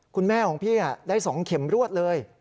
คุณแม่ของพี่ได้๒เข็มรวดเลย